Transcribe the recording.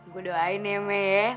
gue doain ya meh